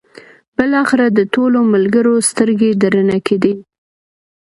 بالاخره د ټولو ملګرو سترګې درنې کېدې.